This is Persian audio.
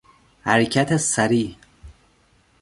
حرکت سریع